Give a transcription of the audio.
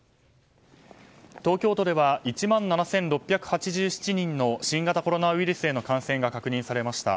東京都では１万７６８７人の新型コロナウイルスへの感染が確認されました。